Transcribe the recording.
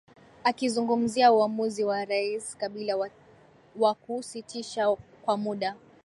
akizungumzia uamuzi wa rais kabila wakusitisha kwa muda